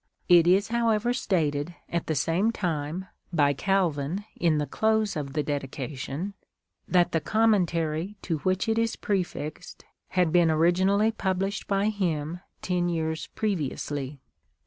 It is however stated, at the same time, by Calvin in the close of the Dedication, that the Com mentary to which it is prefixed had been originally pub lished by him ten years previously.